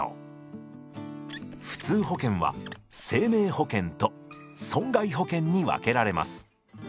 普通保険は生命保険と損害保険に分けられます。